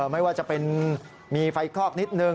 ไม่ว่าจะเป็นมีไฟคลอกนิดนึง